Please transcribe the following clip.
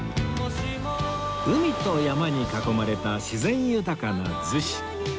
海と山に囲まれた自然豊かな逗子